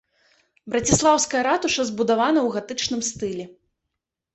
Браціслаўская ратуша збудавана ў гатычным стылі.